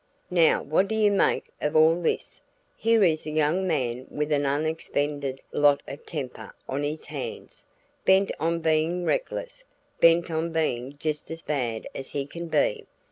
"Now what do you make of all this? Here is a young man with an unexpended lot of temper on his hands bent on being reckless; bent on being just as bad as he can be.